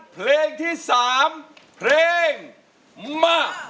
เพลงที่๓เพลงมา